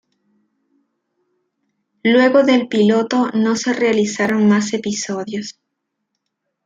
Luego del piloto no se realizaron más episodios.